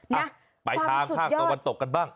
นะความสุดยอดไปทางภาคตะวันตกกันบ้าง